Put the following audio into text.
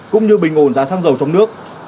cũng như bình ngồn giá xăng dầu trong nước